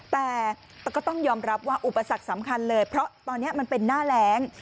แต่ก็ต้องยอมรับว่าอุปสรรคสำคัญเลยเพราะตอนนี้มันเป็นหน้าแรง